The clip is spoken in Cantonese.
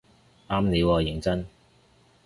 啱你喎認真